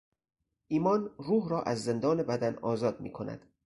ایمان روح را از زندان بدن آزاد میکند.